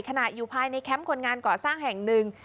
อยู่ภายในแคมป์คนงานก่อสร้างแห่งหนึ่ง